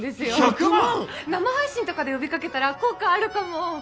生配信とかで呼びかけたら効果あるかも。